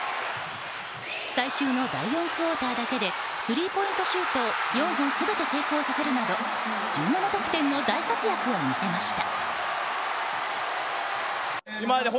最終の第４クオーターだけでスリーポイントシュートを４本全て成功させるなど１７得点の大活躍を見せました。